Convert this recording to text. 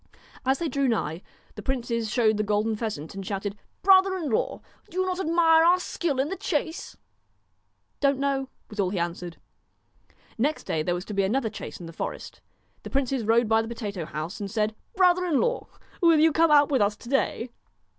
As they drew nigh, the princes showed the golden pheasant and shouted: 'Brother in law, do you not admire our skill in the chase ?'' Don't know,' was all he answered. Next day there was to be another chase in the forest. The princes rode by the potato house, and said :* Brother in law, will you come out with us to day